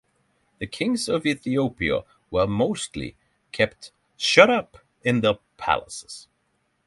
The kings of Ethiopia were mostly kept shut up in their palaces.